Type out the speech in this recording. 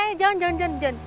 eh eh jangan jangan jangan